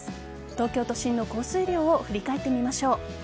東京都心の降水量を振り返ってみましょう。